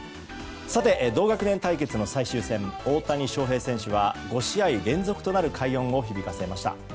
さて、同学年対決の最終戦大谷翔平選手は５試合連続となる快音を響かせました。